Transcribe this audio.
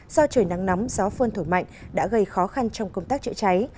do trời nắng nóng gió phơn thổi mạnh đã gây khó khăn trong công tác chữa cháy